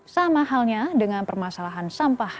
sama halnya dengan permasalahan sampah